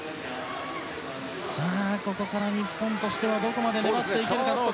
ここから日本としてはどこまで粘っていけるかどうか。